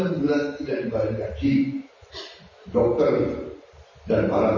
dokter dan para medis